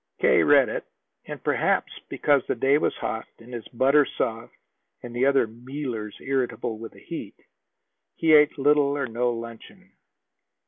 K. read it, and, perhaps because the day was hot and his butter soft and the other "mealers" irritable with the heat, he ate little or no luncheon.